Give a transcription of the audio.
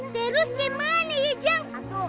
terus gimana ya jang